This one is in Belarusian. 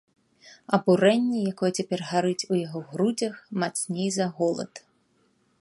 Абурэнне, якое цяпер гарыць у яго грудзях, мацней за голад.